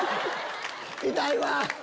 痛いわ！